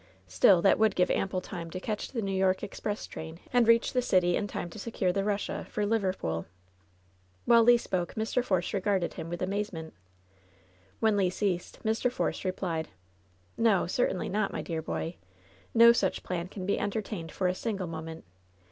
Still that would give ample time to catch the New York express train, and reach the city in time to secure the Buss a for Liverpool." While Le spoke Mr. Force regarded him with amaze ment. When Le ceased Mr. Force replied : "No, certainly not, my dear boy. No such jJan can be entertained for a single moment.